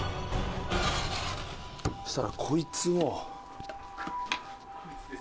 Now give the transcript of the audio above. そしたらこいつを。